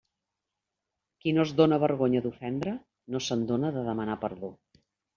Qui no es dóna vergonya d'ofendre no se'n dóna de demanar perdó.